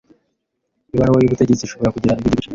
ibaruwa y’ubutegetsi ishobora kugira ibindi bice